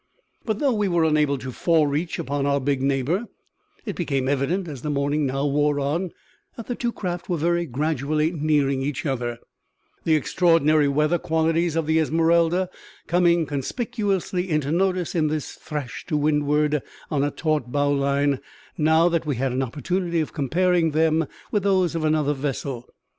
But though we were unable to forereach upon our big neighbour, it became evident, as the morning now wore on, that the two craft were very gradually nearing each other, the extraordinary weatherly qualities of the Esmeralda coming conspicuously into notice in this thrash to windward on a taut bowline, now that we had the opportunity of comparing them with those of another vessel.